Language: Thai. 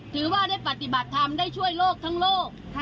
ถือว่าได้ปฏิบัติธรรมได้ช่วยโลกทั้งโลก